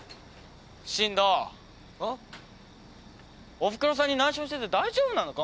おふくろさんに内緒にしてて大丈夫なのか？